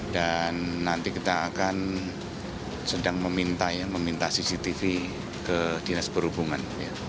dan nanti kita akan sedang meminta cctv ke dinas perhubungan